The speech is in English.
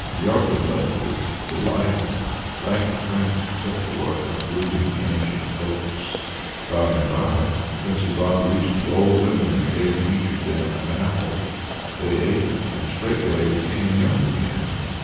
Vertodub was delighted, thanked the Prince, and set to work uprooting the ancient oaks. By and by Prince Ivan reached the old women, and gave each of them an apple. They ate them, and straightway became young again.